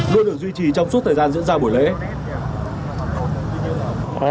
luôn được duy trì trong suốt thời gian diễn ra buổi lễ